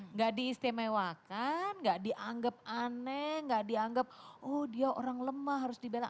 enggak diistimewakan enggak dianggap aneh enggak dianggap oh dia orang lemah harus dibela